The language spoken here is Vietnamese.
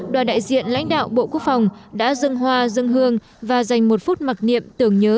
đoàn đại diện lãnh đạo bộ quốc phòng đã dân hoa dân hương và dành một phút mặc niệm tưởng nhớ